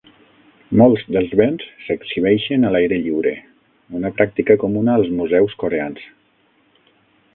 Molts dels béns s'exhibeixen a l'aire lliure, una pràctica comuna als museus coreans.